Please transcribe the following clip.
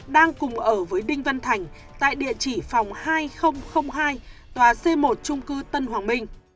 đang cùng ở với đinh văn thành tại địa chỉ phòng hai nghìn hai tòa c một trung cư tân hoàng minh